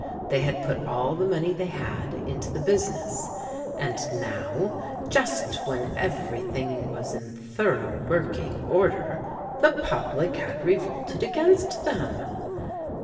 They had put all the money they had into the business; and now, just when everything was in thorough working order, the public had revolted against them.